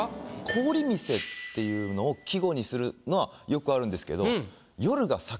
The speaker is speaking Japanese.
「氷店」っていうのを季語にするのはよくあるんですけど。